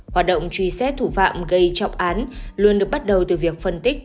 hoạt động truy xét thủ phạm gây trọng án luôn được bắt đầu từ việc phân tích